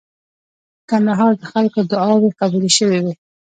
د کندهار د خلکو دعاوي قبولې شوې وې.